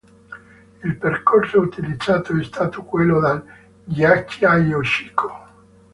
Il percorso utilizzato è stato quello dal ghiacciaio Chico.